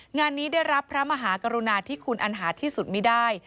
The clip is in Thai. งานนี้ได้รับพระมหากรุณาที่คุณอันหาที่สุดไม่ได้